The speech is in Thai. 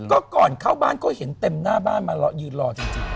ก็ก่อนเข้าบ้านก็เห็นเต็มหน้าบ้านมายืนรอจริง